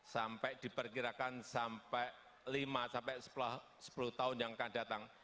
sampai diperkirakan sampai lima sampai sepuluh tahun yang akan datang